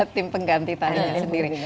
tim pengganti talinya sendiri